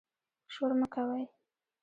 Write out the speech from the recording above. شور مه کوئ